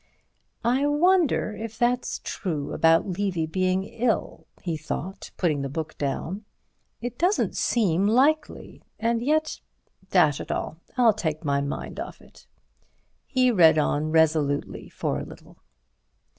"I wonder if that's true about Levy being ill," he thought, putting the book down; "it doesn't seem likely. And yet— Dash it all, I'll take my mind off it." He read on resolutely for a little.